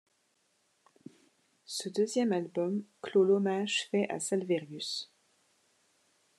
Ce deuxième album clôt l'hommage fait à Salvérius.